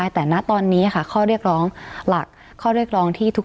แต่มณะตอนนี้หลักข้อเรียกร้องที่ทุก